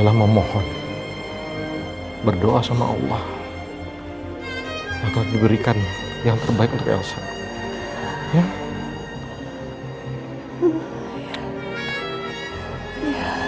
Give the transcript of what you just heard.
a accounts gereg dipubukkan